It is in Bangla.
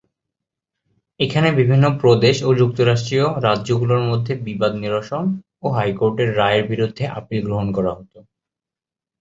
এখানে বিভিন্ন প্রদেশ ও যুক্তরাষ্ট্রীয় রাজ্যগুলির মধ্যে বিবাদ নিরসন ও হাইকোর্টের রায়ের বিরুদ্ধে আপিল গ্রহণ করা হত।